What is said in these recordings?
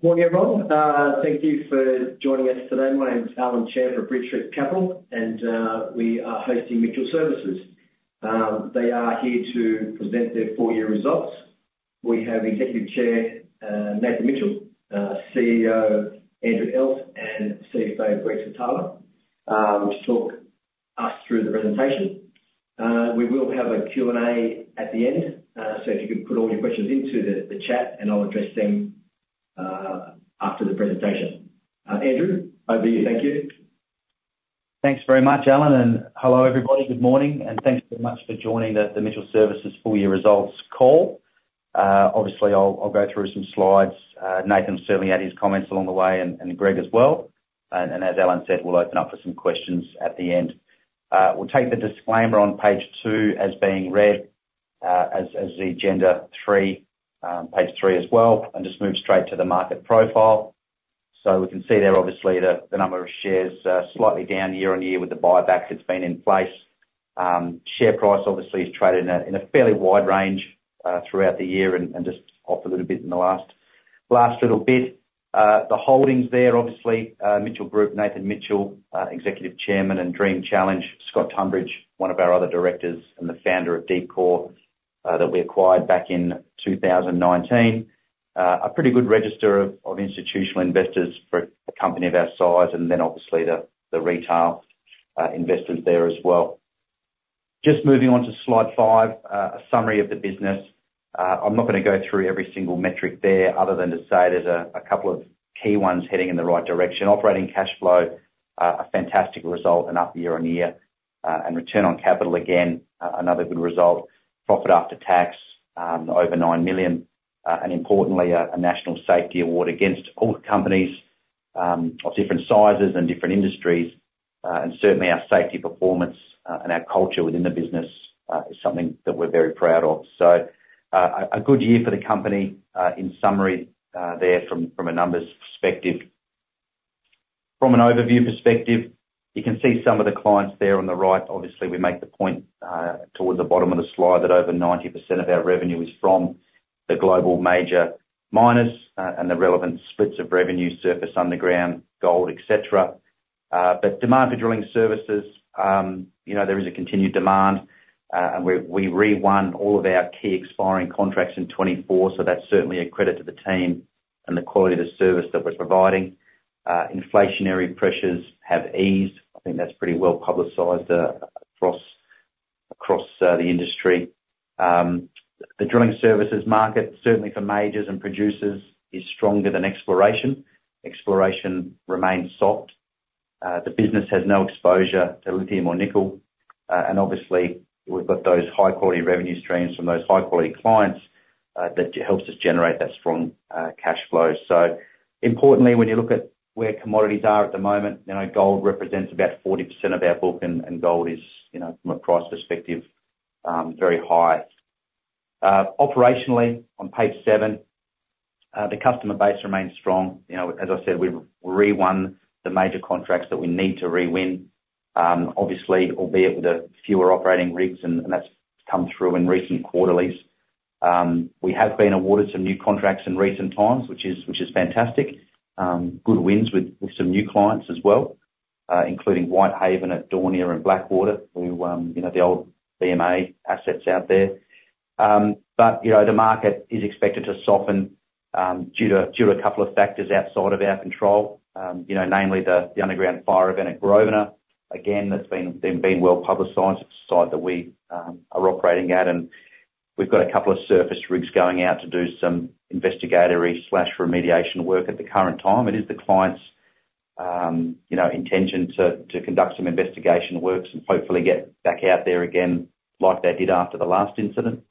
Good morning, everyone. Thank you for joining us today. My name is Alan Chalmers for Bridge Street Capital Partners, and we are hosting Mitchell Services. They are here to present their full year results. We have Executive Chairman Nathan Mitchell, CEO Andrew Elf, and CFO Greg Switala to talk us through the presentation. We will have a Q&A at the end, so if you could put all your questions into the chat, and I'll address them after the presentation. Andrew, over to you. Thank you. Thanks very much, Alan, and hello everybody. Good morning, and thanks very much for joining the Mitchell Services full year results call. Obviously, I'll go through some slides. Nathan will certainly add his comments along the way, and Greg as well. As Alan said, we'll open up for some questions at the end. We'll take the disclaimer on page two as being read, as the agenda three, page three as well, and just move straight to the market profile. So we can see there, obviously, the number of shares, slightly down year-on-year with the buybacks that's been in place. Share price obviously has traded in a fairly wide range, throughout the year and just off a little bit in the last little bit. The holdings there, obviously, Mitchell Group, Nathan Mitchell, Executive Chairman, and Dream Challenge, Scott Tumbridge, one of our other directors and the founder of Deepcore, that we acquired back in 2019. A pretty good register of institutional investors for a company of our size, and then obviously the retail investors there as well. Just moving on to slide five, a summary of the business. I'm not gonna go through every single metric there, other than to say there's a couple of key ones heading in the right direction. Operating cash flow, a fantastic result and up year-on-year. And return on capital, again, another good result. Profit after tax, over 9 million, and importantly, a national safety award against all the companies, of different sizes and different industries, and certainly our safety performance, and our culture within the business, is something that we're very proud of. So, a good year for the company, in summary, there from, from a numbers perspective. From an overview perspective, you can see some of the clients there on the right. Obviously, we make the point, towards the bottom of the slide, that over 90% of our revenue is from the global major miners, and the relevant splits of revenue, surface, underground, gold, etc. But demand for drilling services, you know, there is a continued demand, and we re-won all of our key expiring contracts in 2024, so that's certainly a credit to the team and the quality of the service that we're providing. Inflationary pressures have eased. I think that's pretty well publicized, across the industry. The drilling services market, certainly for majors and producers, is stronger than exploration. Exploration remains soft. The business has no exposure to lithium or nickel, and obviously, we've got those high-quality revenue streams from those high-quality clients, that helps us generate that strong, cash flow. So importantly, when you look at where commodities are at the moment, you know, gold represents about 40% of our book, and gold is, you know, from a price perspective, very high. Operationally, on page seven, the customer base remains strong. You know, as I said, we've re-won the major contracts that we need to re-win. Obviously, albeit with fewer operating rigs, and that's come through in recent quarterlies. We have been awarded some new contracts in recent times, which is fantastic. Good wins with some new clients as well, including Whitehaven at Daunia and Blackwater, who, you know, the old BMA assets out there. But, you know, the market is expected to soften, due to a couple of factors outside of our control. You know, namely the underground fire event at Grosvenor. Again, that's been well publicized. It's a site that we are operating at, and we've got a couple of surface rigs going out to do some investigatory slash remediation work at the current time. It is the client's you know intention to conduct some investigation works and hopefully get back out there again, like they did after the last incident.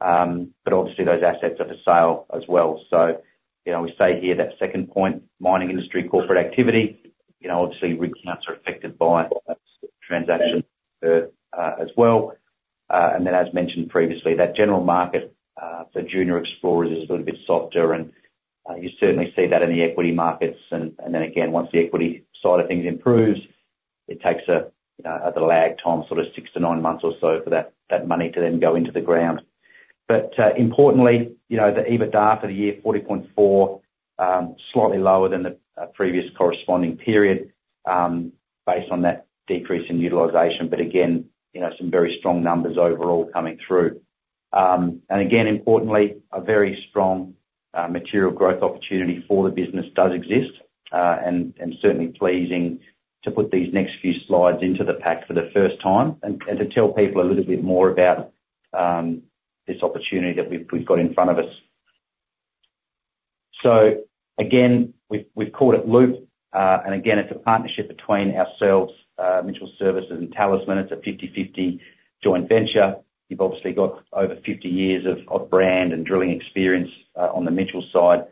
But obviously those assets are for sale as well. So you know we say here that second point, mining industry, corporate activity, you know obviously rig counts are affected by transaction as well. And then as mentioned previously that general market for junior explorers is a little bit softer, and you certainly see that in the equity markets. Then again, once the equity side of things improves, it takes a you know a lag time, sort of six to nine months or so for that money to then go into the ground. But importantly, you know, the EBITDA for the year, 40.4, slightly lower than the previous corresponding period, based on that decrease in utilization. But again, you know, some very strong numbers overall coming through. And again, importantly, a very strong material growth opportunity for the business does exist, and certainly pleasing to put these next few slides into the pack for the first time, and to tell people a little bit more about this opportunity that we've got in front of us. Again, we've called it Loke, and again, it's a partnership between ourselves, Mitchell Services and Talisman. It's a 50-50 joint venture. You've obviously got over 50 years of brand and drilling experience on the Mitchell side.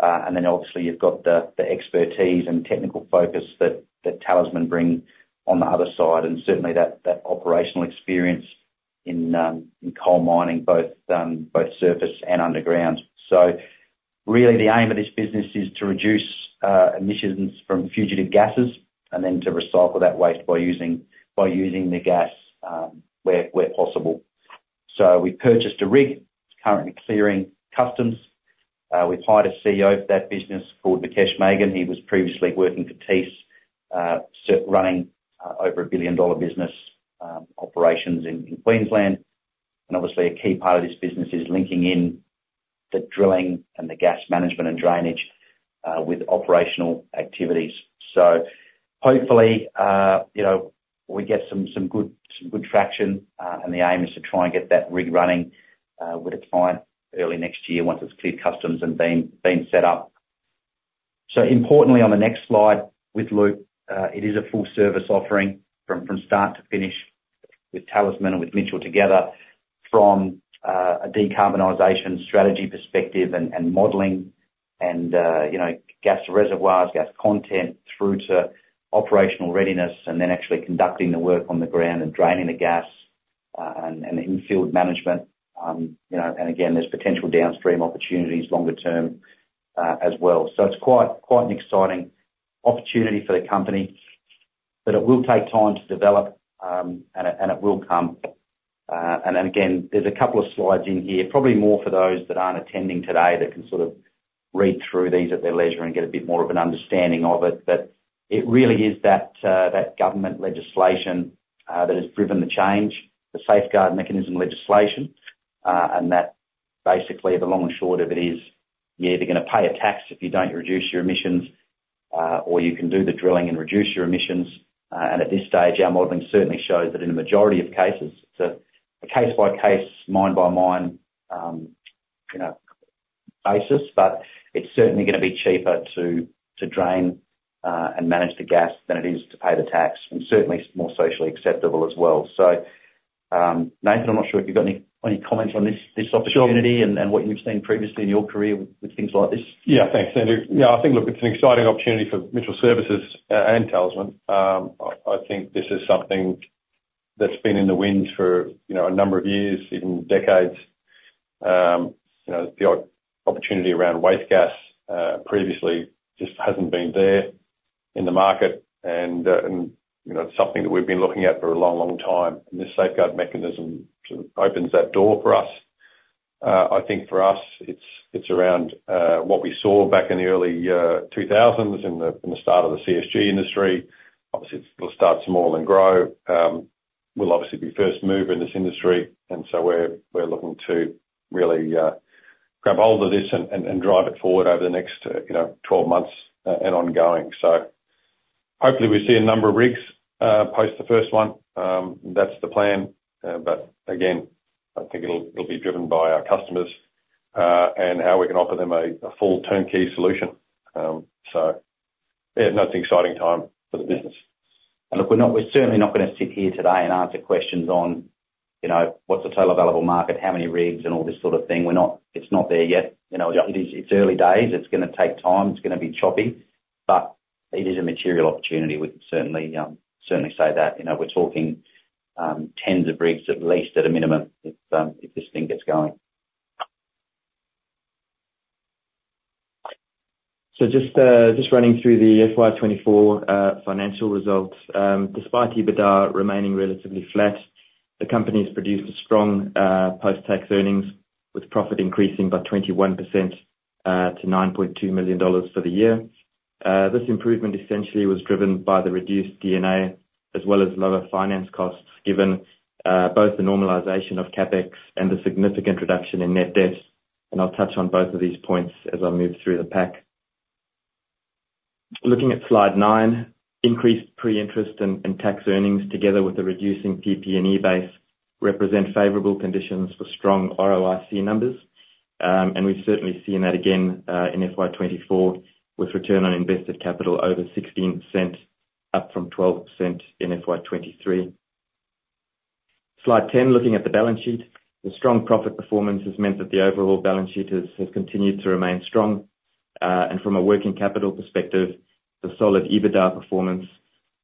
And then obviously you've got the expertise and technical focus that Talisman bring on the other side, and certainly that operational experience in coal mining, both surface and underground. Really the aim of this business is to reduce emissions from fugitive gases, and then to recycle that waste by using the gas where possible. We purchased a rig. It's currently clearing customs. We've hired a CEO for that business called Mukesh Magan. He was previously working for Thiess, running over a billion-dollar business operations in Queensland. Obviously, a key part of this business is linking in the drilling and the gas management and drainage with operational activities. Hopefully, you know, we get some good traction, and the aim is to try and get that rig running with a client early next year once it's cleared customs and been set up. Importantly, on the next slide with Loke, it is a full service offering from start to finish, with Talisman and with Mitchell together, from a decarbonization strategy perspective and modeling, and you know, gas reservoirs, gas content, through to operational readiness, and then actually conducting the work on the ground and draining the gas, and in-field management. You know, and again, there's potential downstream opportunities, longer term, as well. So it's quite, quite an exciting opportunity for the company, but it will take time to develop, and it will come. And then again, there's a couple of slides in here, probably more for those that aren't attending today, that can sort of read through these at their leisure and get a bit more of an understanding of it, but it really is that government legislation that has driven the change, the Safeguard Mechanism legislation. And that basically, the long and short of it is, you're either gonna pay a tax if you don't reduce your emissions, or you can do the drilling and reduce your emissions. And at this stage, our modeling certainly shows that in the majority of cases, it's a case-by-case, mine-by-mine, you know, basis, but it's certainly gonna be cheaper to drain and manage the gas than it is to pay the tax, and certainly more socially acceptable as well. So, Nathan, I'm not sure if you've got any comments on this opportunity. Sure. and what you've seen previously in your career with things like this? Yeah, thanks, Andrew. Yeah, I think, look, it's an exciting opportunity for Mitchell Services, and Talisman. I think this is something that's been in the wings for, you know, a number of years, even decades. You know, the opportunity around waste gas, previously just hasn't been there in the market, and, you know, it's something that we've been looking at for a long, long time, and this Safeguard Mechanism sort of opens that door for us. I think for us, it's around, what we saw back in the early two thousands in the, in the start of the CSG industry. Obviously, it'll start small and grow. We'll obviously be first mover in this industry, and so we're looking to really grab hold of this and drive it forward over the next you know twelve months and ongoing. So hopefully we see a number of rigs post the first one. That's the plan. But again, I think it'll be driven by our customers and how we can offer them a full turnkey solution. So yeah, no, it's an exciting time for the business. And look, we're not. We're certainly not gonna sit here today and answer questions on, you know, what's the total available market, how many rigs, and all this sort of thing. We're not. It's not there yet. You know, it is, it's early days. It's gonna take time. It's gonna be choppy, but it is a material opportunity, we can certainly, certainly say that. You know, we're talking, tens of rigs, at least at a minimum, if, if this thing gets going. Just running through the FY 2024 financial results. Despite EBITDA remaining relatively flat, the company's produced a strong post-tax earnings, with profit increasing by 21% to 9.2 million dollars for the year. This improvement essentially was driven by the reduced D&A, as well as lower finance costs, given both the normalization of CapEx and the significant reduction in net debt, and I'll touch on both of these points as I move through the pack. Looking at slide 9, increased pre-interest and tax earnings, together with a reducing PP&E base, represent favorable conditions for strong ROIC numbers. And we've certainly seen that again in FY 2024, with return on invested capital over 16%, up from 12% in FY 2023. Slide 10, looking at the balance sheet. The strong profit performance has meant that the overall balance sheet has continued to remain strong, and from a working capital perspective, the solid EBITDA performance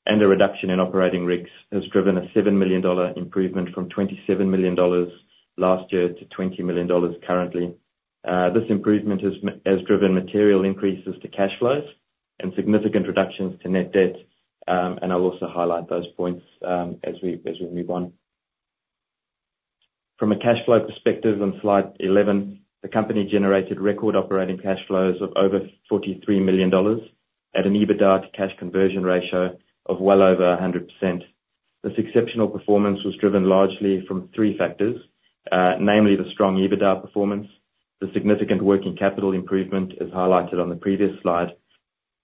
and the reduction in operating risks has driven a 7 million dollar improvement from 27 million dollars last year to 20 million dollars currently. This improvement has driven material increases to cash flows and significant reductions to net debt, and I'll also highlight those points, as we move on. From a cash flow perspective, on slide 11, the company generated record operating cash flows of over 43 million dollars, at an EBITDA to cash conversion ratio of well over 100%. This exceptional performance was driven largely from three factors, namely the strong EBITDA performance, the significant working capital improvement, as highlighted on the previous slide,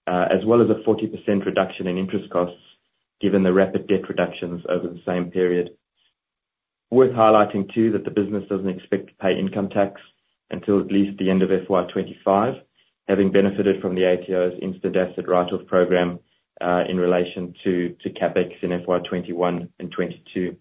as well as a 40% reduction in interest costs, given the rapid debt reductions over the same period. Worth highlighting, too, that the business doesn't expect to pay income tax until at least the end of FY 2025, having benefited from the ATO's instant asset write-off program, in relation to CapEx in FY 2021 and 2022.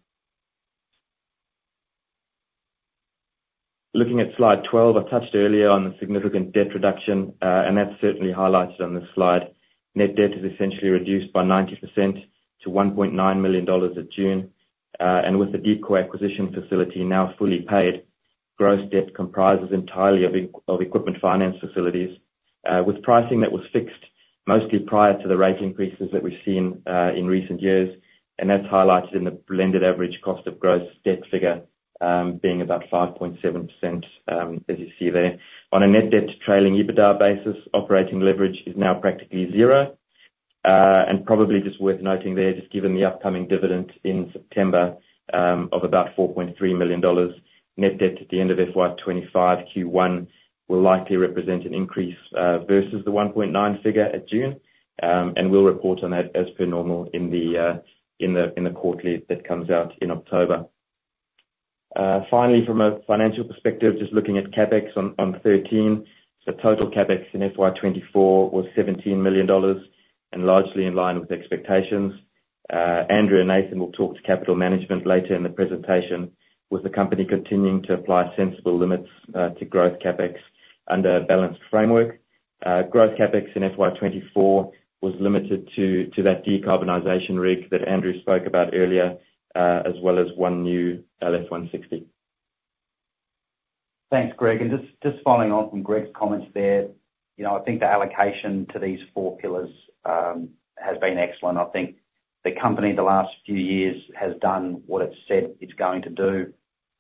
Looking at slide 12, I touched earlier on the significant debt reduction, and that's certainly highlighted on this slide. Net debt is essentially reduced by 90% to 1.9 million dollars at June, and with the Deepcore acquisition facility now fully paid-... Gross debt comprises entirely of equipment finance facilities, with pricing that was fixed mostly prior to the rate increases that we've seen, in recent years, and that's highlighted in the blended average cost of gross debt figure, being about 5.7%, as you see there. On a net debt to trailing EBITDA basis, operating leverage is now practically zero. Probably just worth noting there, just given the upcoming dividend in September, of about 4.3 million dollars, net debt at the end of FY 2025 Q1 will likely represent an increase, versus the 1.9 figure at June. We'll report on that as per normal in the quarterly that comes out in October. Finally, from a financial perspective, just looking at CapEx on 13, so total CapEx in FY 2024 was 17 million dollars, and largely in line with expectations. Andrew and Nathan will talk to capital management later in the presentation, with the company continuing to apply sensible limits to growth CapEx under a balanced framework. Growth CapEx in FY 2024 was limited to that decarbonization rig that Andrew spoke about earlier, as well as one new LF160. Thanks, Greg, and just following on from Greg's comments there, you know, I think the allocation to these four pillars has been excellent. I think the company, the last few years, has done what it's said it's going to do,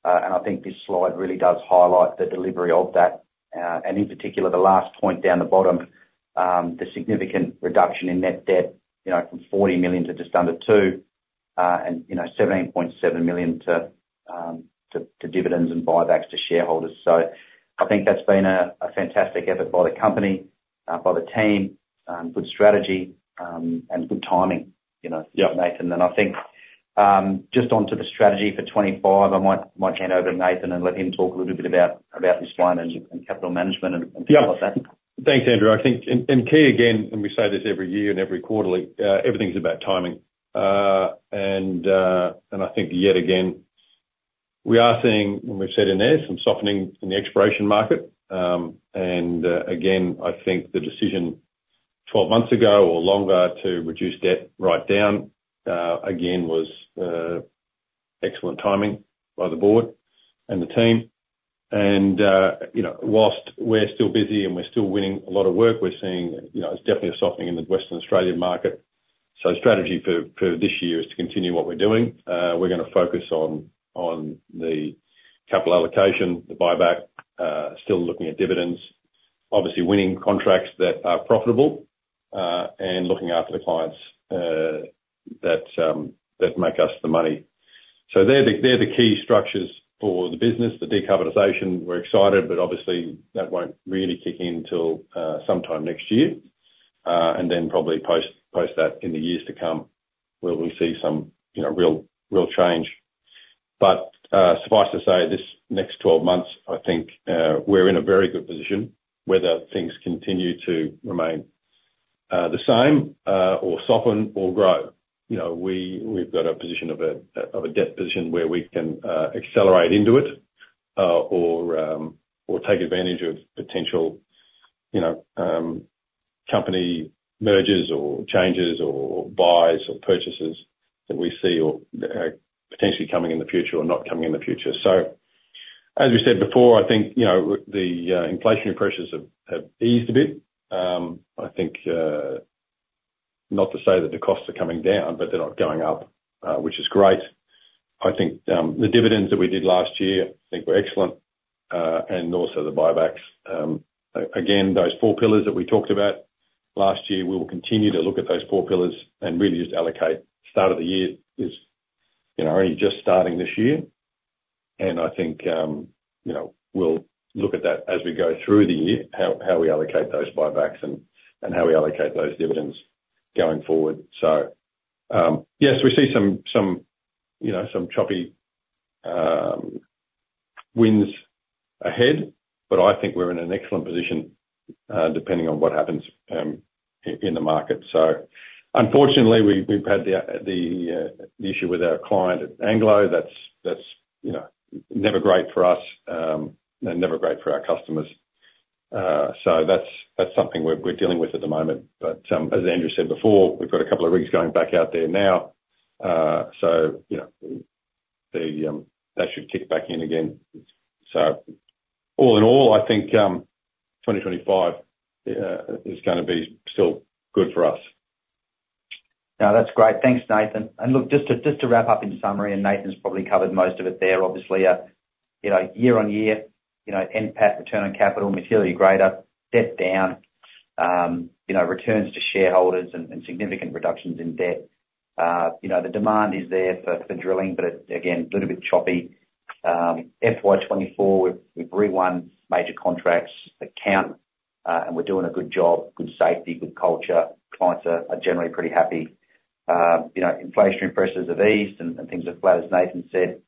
and I think this slide really does highlight the delivery of that. And in particular, the last point down the bottom, the significant reduction in net debt, you know, from 40 million to just under 2 million, and, you know, 17.7 million to dividends and buybacks to shareholders. So I think that's been a fantastic effort by the company, by the team, good strategy, and good timing, you know? Yeah. Nathan. And I think, just onto the strategy for twenty-five, I might hand over to Nathan and let him talk a little bit about this slide and capital management and things like that. Yeah. Thanks, Andrew. I think, and key again, and we say this every year and every quarterly, everything's about timing. And I think yet again, we are seeing, and we've said in there, some softening in the exploration market. And again, I think the decision 12 months ago or longer to reduce debt right down, again, was excellent timing by the board and the team. And you know, while we're still busy and we're still winning a lot of work, we're seeing, you know, there's definitely a softening in the Western Australian market. So strategy for this year is to continue what we're doing. We're gonna focus on the capital allocation, the buyback, still looking at dividends, obviously winning contracts that are profitable, and looking after the clients that make us the money. So they're the key structures for the business. The decarbonization, we're excited, but obviously, that won't really kick in until sometime next year. And then probably post that in the years to come, where we see some, you know, real change. But suffice to say, this next twelve months, I think, we're in a very good position, whether things continue to remain the same, or soften or grow. You know, we've got a position of a debt position where we can accelerate into it, or, or take advantage of potential, you know, company mergers or changes or buys or purchases that we see or potentially coming in the future or not coming in the future. So as we said before, I think, you know, the inflationary pressures have eased a bit. I think not to say that the costs are coming down, but they're not going up, which is great. I think the dividends that we did last year, I think were excellent, and also the buybacks. Again, those four pillars that we talked about last year, we will continue to look at those four pillars and really just allocate. Start of the year is, you know, only just starting this year, and I think, you know, we'll look at that as we go through the year, how we allocate those buybacks and how we allocate those dividends going forward. So, yes, we see some, you know, some choppy winds ahead, but I think we're in an excellent position, depending on what happens in the market. So unfortunately, we've had the issue with our client at Anglo. That's, you know, never great for us and never great for our customers. So that's something we're dealing with at the moment. But, as Andrew said before, we've got a couple of rigs going back out there now. So, you know... That should kick back in again. So all in all, I think, 2025 is gonna be still good for us. No, that's great. Thanks, Nathan. And look, just to wrap up in summary, and Nathan's probably covered most of it there, obviously, you know, year-on-year, you know, NPAT return on capital, materially greater, debt down, you know, returns to shareholders and significant reductions in debt. You know, the demand is there for drilling, but again, a little bit choppy. FY 2024, we've rewon major contracts that count, and we're doing a good job, good safety, good culture. Clients are generally pretty happy. You know, inflationary pressures have eased and things are flat, as Nathan said.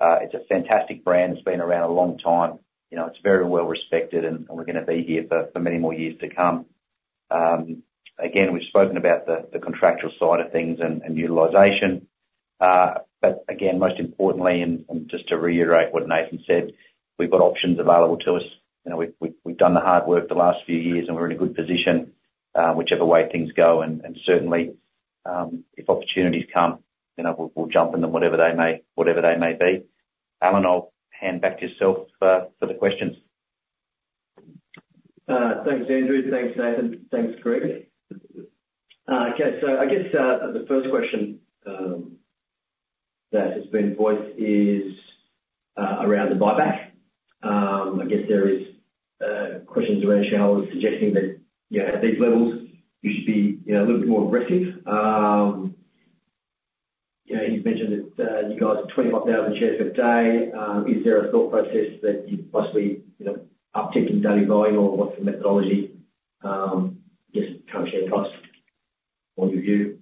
It's a fantastic brand. It's been around a long time. You know, it's very well respected, and we're gonna be here for many more years to come. Again, we've spoken about the contractual side of things and utilization. But again, most importantly, just to reiterate what Nathan said, we've got options available to us. You know, we've done the hard work the last few years, and we're in a good position, whichever way things go, and certainly, if opportunities come, you know, we'll jump in them, whatever they may be. Alan, I'll hand back to yourself for the questions. Thanks, Andrew. Thanks, Nathan. Thanks, Greg. Okay, so I guess the first question that has been voiced is around the buyback. I guess there is questions around shareholders suggesting that, you know, at these levels, you should be, you know, a little bit more aggressive. You know, you've mentioned that you guys are 25,000 shares per day. Is there a thought process that you'd possibly, you know, uptick in daily volume, or what's the methodology? Just current share price, what are you?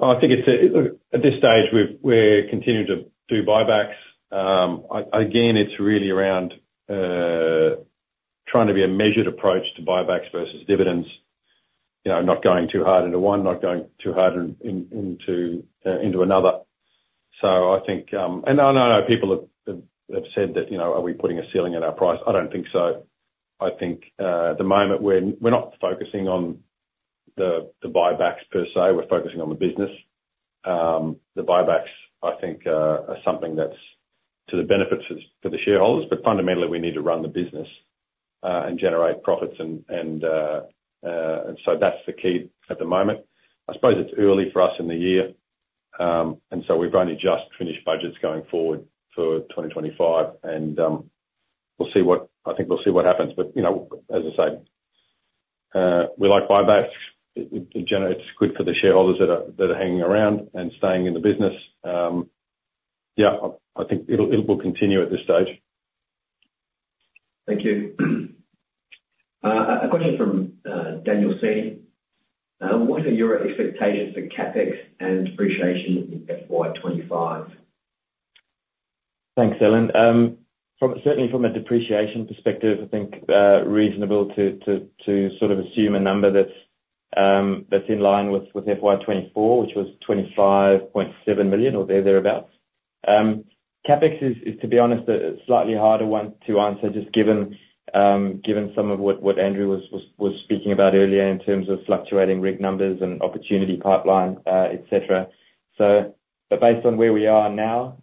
I think it's, look, at this stage, we're continuing to do buybacks. Again, it's really around trying to be a measured approach to buybacks versus dividends. You know, not going too hard into one, not going too hard into another. So I think... And I know, people have said that, you know, are we putting a ceiling in our price? I don't think so. I think, at the moment, we're not focusing on the buybacks per se, we're focusing on the business. The buybacks, I think, are something that's to the benefits of, for the shareholders, but fundamentally, we need to run the business and generate profits, and so that's the key at the moment. I suppose it's early for us in the year, and so we've only just finished budgets going forward for 2025, and I think we'll see what happens, but you know, as I say, we like buybacks. It generates good for the shareholders that are hanging around and staying in the business. Yeah, I think it will continue at this stage. Thank you. A question from Daniel C: What are your expectations for CapEx and depreciation in FY 2025? Thanks, Alan. Certainly from a depreciation perspective, I think reasonable to sort of assume a number that's in line with FY twenty-four, which was 25.7 million, or thereabout. CapEx is, to be honest, a slightly harder one to answer, just given some of what Andrew was speaking about earlier, in terms of fluctuating rig numbers and opportunity pipeline, etc. So, but based on where we are now,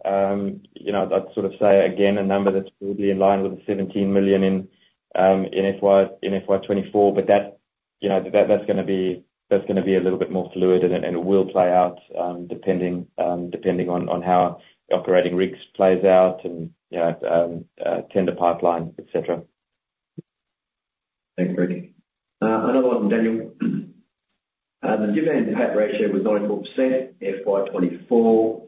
you know, I'd sort of say, again, a number that's probably in line with the 17 million in FY 2024, but that, you know, that's gonna be a little bit more fluid, and it will play out, depending on how the operating rigs plays out, and, you know, tender pipeline, etc. Thanks, Greg. Another one from Daniel. The dividend payout ratio was 94% FY 2024,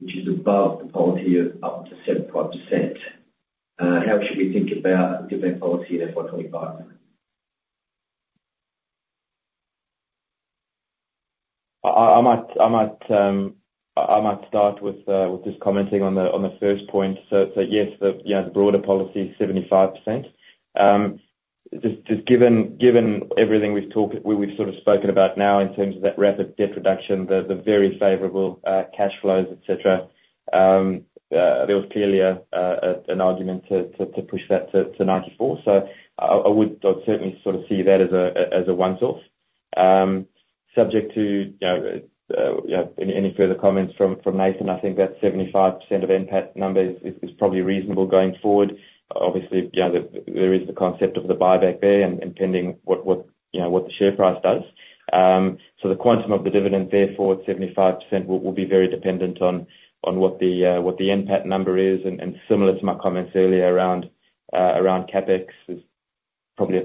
which is above the policy of up to 75%. How should we think about dividend policy in FY 2025? I might start with just commenting on the first point. So yes, you know, the broader policy is 75%. Just given everything we've talked about now, in terms of that rapid debt reduction, the very favorable cash flows, etc, there was clearly an argument to push that to 94. So I would, I'd certainly sort of see that as a once-off. Subject to, you know, any further comments from Nathan, I think that 75% of NPAT number is probably reasonable going forward. Obviously, you know, there is the concept of the buyback there, and pending what, you know, what the share price does. So the quantum of the dividend, therefore, 75%, will be very dependent on what the NPAT number is, and similar to my comments earlier around CapEx, is probably,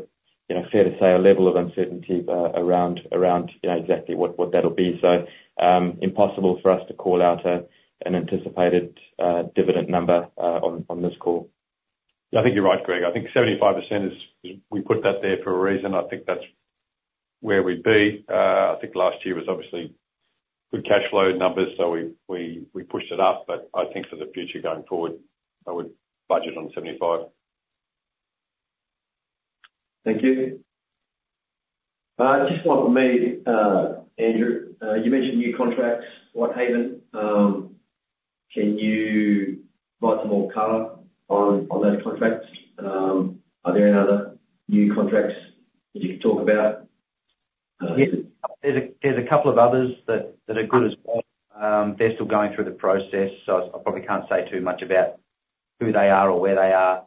you know, fair to say, a level of uncertainty around, you know, exactly what that'll be. So, impossible for us to call out an anticipated dividend number on this call. I think you're right, Greg. I think 75% is... We put that there for a reason. I think that's where we'd be. I think last year was obviously good cash flow numbers, so we pushed it up, but I think for the future going forward, I would budget on 75. Thank you. Just one from me, Andrew. You mentioned new contracts, Whitehaven. Can you provide some more color on those contracts? Are there any other new contracts that you can talk about? Yeah. There's a couple of others that are good as well. They're still going through the process, so I probably can't say too much about who they are or where they are,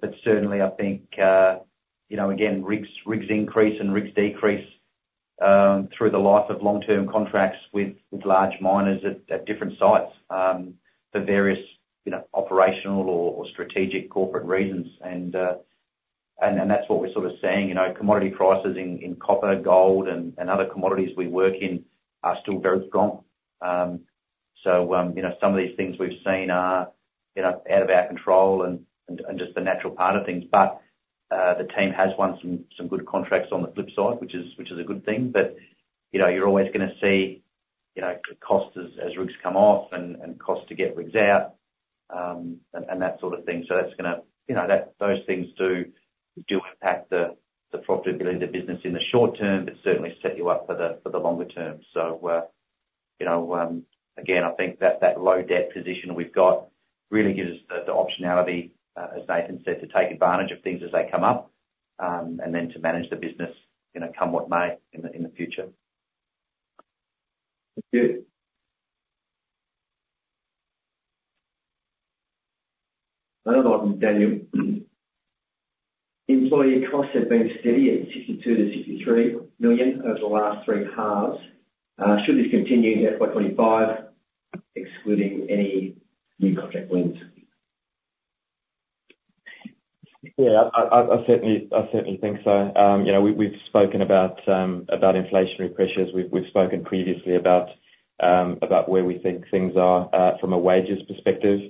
but certainly I think, you know, again, rigs increase and rigs decrease through the life of long-term contracts with large miners at different sites for various, you know, operational or strategic corporate reasons. And that's what we're sort of seeing, you know, commodity prices in copper, gold, and other commodities we work in are still very strong. So, you know, some of these things we've seen are, you know, out of our control, and just a natural part of things. But the team has won some good contracts on the flip side, which is a good thing, but you know, you're always gonna see you know, costs as rigs come off and costs to get rigs out and that sort of thing. So that's gonna you know, that those things do impact the profitability of the business in the short term, but certainly set you up for the longer term. So you know, again, I think that low debt position we've got really gives us the optionality as Nathan said, to take advantage of things as they come up and then to manage the business you know, come what may in the future. Thank you. Another one from Daniel. Employee costs have been steady at 62-63 million over the last three halves. Should this continue in FY 2025, excluding any new contract wins? Yeah, I certainly think so. You know, we've spoken about inflationary pressures. We've spoken previously about where we think things are from a wages perspective.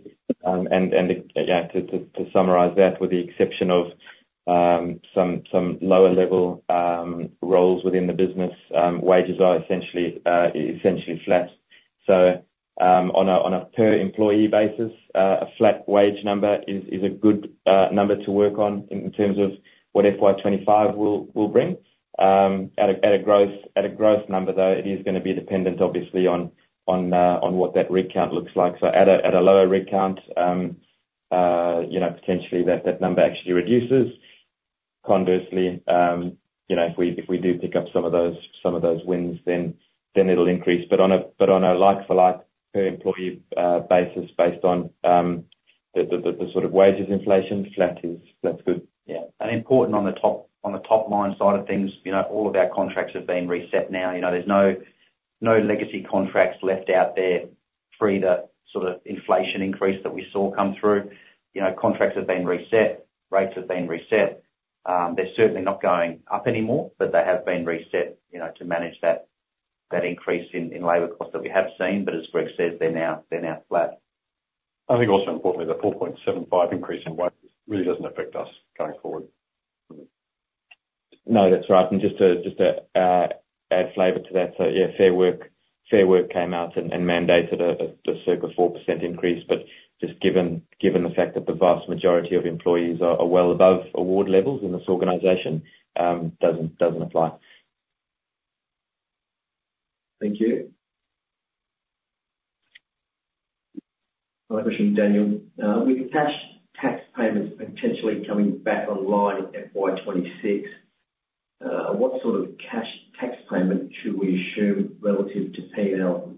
And yeah, to summarize that, with the exception of some lower level roles within the business, wages are essentially flat. So, on a per employee basis, a flat wage number is a good number to work on in terms of what FY 2025 will bring. At a growth number, though, it is gonna be dependent, obviously, on what that rig count looks like. So at a lower rig count, you know, potentially that number actually reduces. Conversely, you know, if we do pick up some of those wins, then it'll increase. But on a like-for-like per employee basis, based on the sort of wages, inflation, flat is, that's good. Yeah, and important on the top line side of things, you know, all of our contracts have been reset now. You know, there's no legacy contracts left out there subject to the sort of inflation increase that we saw come through. You know, contracts have been reset, rates have been reset. They're certainly not going up anymore, but they have been reset, you know, to manage that increase in labor costs that we have seen. But as Greg said, they're now flat. I think also importantly, the 4.75 increase in wages really doesn't affect us going forward. No, that's right. And just to add flavor to that, so yeah, Fair Work came out and mandated a circa 4% increase. But just given the fact that the vast majority of employees are well above award levels in this organization, doesn't apply. Thank you. Another question, Daniel. With the cash tax payments potentially coming back online in FY 2026, what sort of cash tax payment should we assume relative to P&L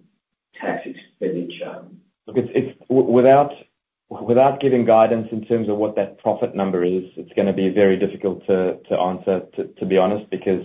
tax expenditure? Look, it's without giving guidance in terms of what that profit number is, it's gonna be very difficult to answer, to be honest, because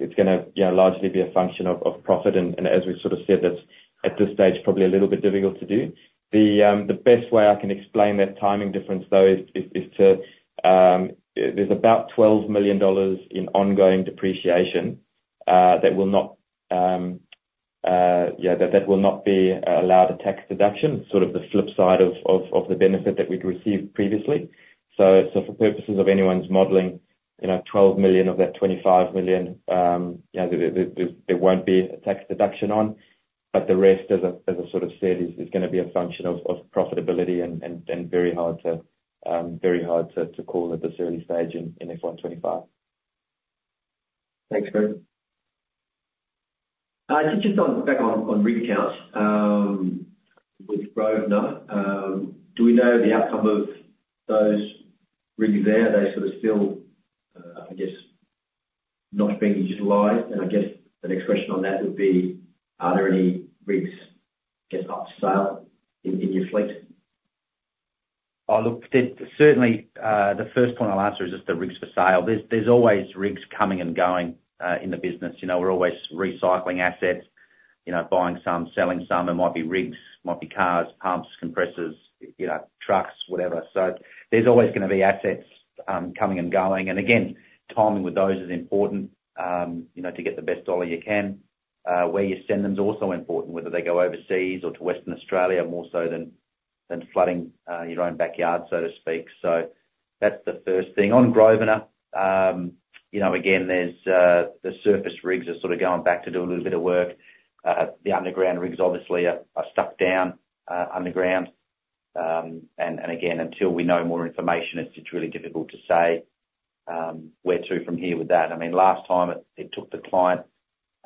it's gonna, you know, largely be a function of profit. And as we've sort of said, that's at this stage probably a little bit difficult to do. The best way I can explain that timing difference, though, is to... There's about 12 million dollars in ongoing depreciation that will not, yeah, that will not be allowed a tax deduction, sort of the flip side of the benefit that we'd received previously. So for purposes of anyone's modeling, you know, 12 million of that 25 million, you know, there won't be a tax deduction on, but the rest, as I sort of said, is gonna be a function of profitability, and very hard to call at this early stage in FY 2025. Thanks, Greg. Just, just on, back on, on rig counts, with Grosvenor, do we know the outcome of those rigs there? Are they sort of still, I guess, not being utilized? And I guess the next question on that would be: Are there any rigs, I guess, up for sale in, in your fleet? Oh, look, certainly, the first point I'll answer is just the rigs for sale. There's, there's always rigs coming and going, in the business. You know, we're always recycling assets, you know, buying some, selling some. It might be rigs, might be cars, pumps, compressors, you know, trucks, whatever. So there's always gonna be assets, coming and going. And again, timing with those is important, you know, to get the best dollar you can. Where you send them is also important, whether they go overseas or to Western Australia, more so than flooding your own backyard, so to speak. That's the first thing. On Grosvenor, you know, again, there's the surface rigs are sort of going back to do a little bit of work. The underground rigs obviously are stuck down underground. Again, until we know more information, it's just really difficult to say where to from here with that. I mean, last time, it took the client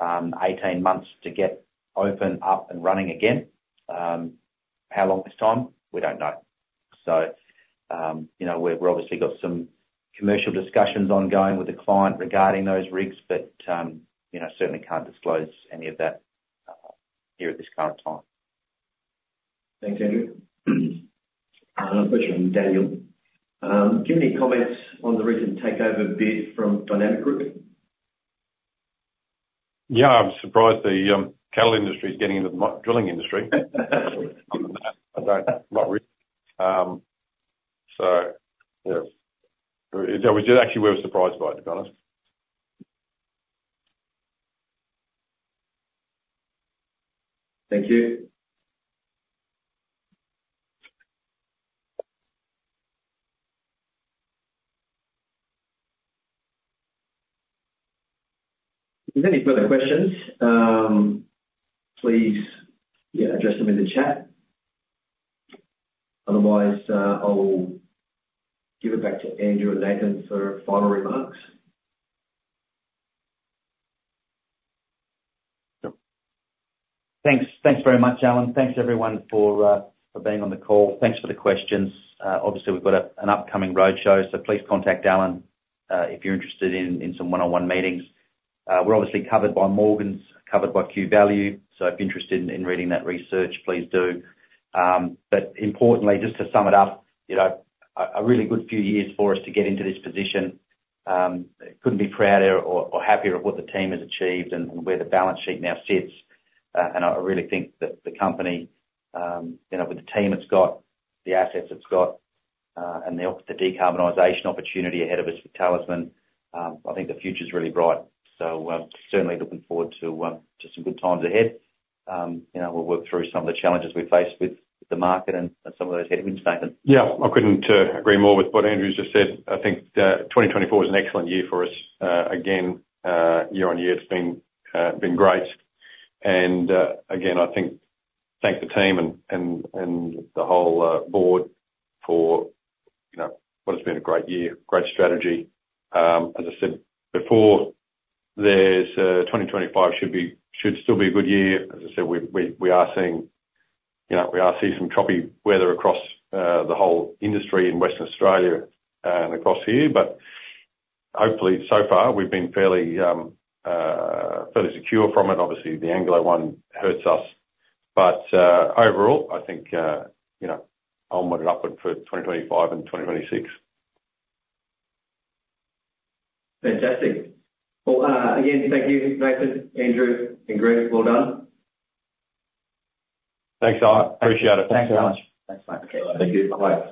18 months to get up and running again. How long this time? We don't know. You know, we've obviously got some commercial discussions ongoing with the client regarding those rigs, but you know, certainly can't disclose any of that here at this current time. Thanks, Andrew. Another question from Daniel. Do you have any comments on the recent takeover bid from Dynamic Group? Yeah, I'm surprised the cattle industry is getting into the mining drilling industry. So, yeah, actually, we were surprised by it, to be honest. Thank you. If there any further questions, please, yeah, address them in the chat.... Otherwise, I'll give it back to Andrew and Nathan for final remarks. Yep. Thanks. Thanks very much, Alan. Thanks, everyone, for being on the call. Thanks for the questions. Obviously, we've got an upcoming roadshow, so please contact Alan if you're interested in some one-on-one meetings. We're obviously covered by Morgans, covered by Q Value, so if you're interested in reading that research, please do. But importantly, just to sum it up, you know, a really good few years for us to get into this position. Couldn't be prouder or happier of what the team has achieved and where the balance sheet now sits. And I really think that the company, you know, with the team it's got, the assets it's got, and the decarbonization opportunity ahead of us with Talisman, I think the future's really bright. So, certainly looking forward to some good times ahead. You know, we'll work through some of the challenges we faced with the market and some of those headwinds, Nathan. Yeah, I couldn't agree more with what Andrew's just said. I think 2024 is an excellent year for us. Again, year-on-year, it's been great. And again, I think thank the team and the whole board for, you know, what has been a great year, great strategy. As I said before, there's 2025 should be—should still be a good year. As I said, we are seeing, you know, we are seeing some choppy weather across the whole industry in Western Australia and across here, but hopefully, so far, we've been fairly secure from it. Obviously, the Anglo one hurts us, but overall, I think, you know, onward and upward for 2025 and 2026. Fantastic. Well, again, thank you, Nathan, Andrew, and Greg. Well done. Thanks, Alan. Appreciate it. Thanks very much. Thanks, mate. Thank you. Bye.